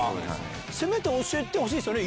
せめて教えてほしいっすよね